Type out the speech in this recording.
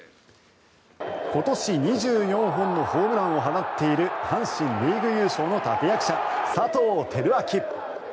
今年２４本のホームランを放っている阪神リーグ優勝の立役者佐藤輝明。